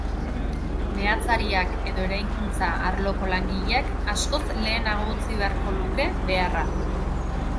Meatzariak edo eraikuntza arloko langileak askoz lehenago utzi beharko luke beharra.